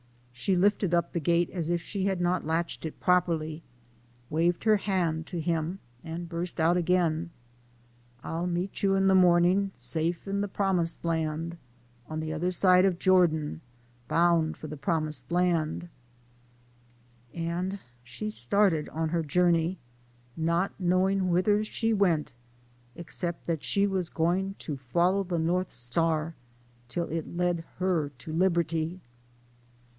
She lifted up the gate as if she had not latched it properly, waved her hand to him., and burst out again : LIFE OF HARRIET TUBMAX. 19 I'll meet you in the morniiT, Safe in de promised land, On the oder side of Jordan, Bonn 1 for de promised land. And she started on her journey, " not knowing whither she went," except that she was going to follow the north star, till it led her to liberty.